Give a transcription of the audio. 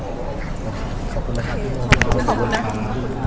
ขอบคุณนะครับ